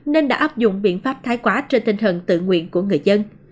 nên đã áp dụng biện pháp thái quá trên tinh thần tự nguyện của người dân